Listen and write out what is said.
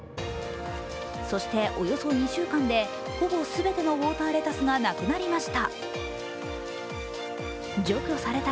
そして、およそ２週間でほぼ全てのウオーターレタスがなくなりました。